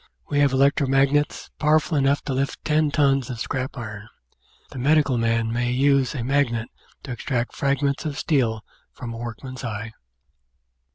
We have electro magnets, power ful enough to lift ten tons of scrap iron ; the medical man may use a magnet to extract fragments of steel from a workman's eye.